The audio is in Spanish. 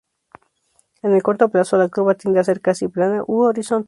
En el corto plazo, la curva tiende a ser casi plana u horizontal.